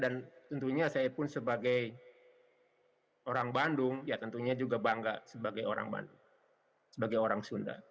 dan tentunya saya pun sebagai orang bandung tentunya juga bangga sebagai orang bandung sebagai orang sunda